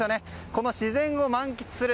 この自然を満喫する